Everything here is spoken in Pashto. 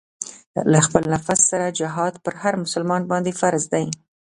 له خپل نفس سره جهاد پر هر مسلمان باندې فرض دی.